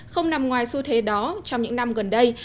không nằm ngoài xu thế đó trong những năm gần đây